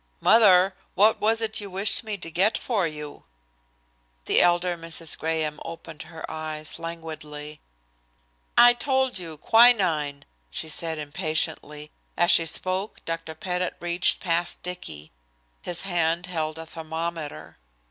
"Mother, what was it you wished me to get for you?" The elder Mrs. Graham opened her eyes languidly. "I told you quinine," she said impatiently. As she spoke, Dr. Pettit reached past Dicky. His hand held a thermometer.